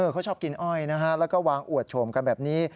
เขาชอบกินอ้อยนะฮะแล้วก็วางอวดโฉมกันแบบนี้